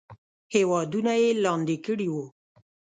هیوادونه یې لاندې کړي وو.